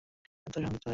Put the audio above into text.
এতে সে সংযত হয়ে পড়ে।